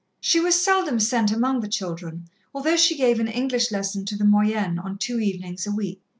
She was seldom sent among the children, although she gave an English lesson to the moyennes on two evenings a week.